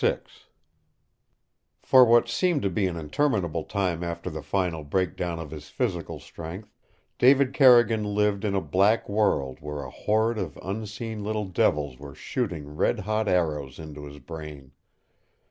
VI For what seemed to be an interminable time after the final breakdown of his physical strength David Carrigan lived in a black world where a horde of unseen little devils were shooting red hot arrows into his brain.